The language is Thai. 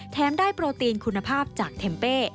ได้โปรตีนคุณภาพจากเทมเป้